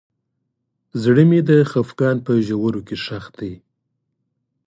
زړه مې د خفګان په ژورو کې ښخ دی.